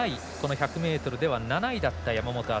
１００ｍでは７位だった山本篤。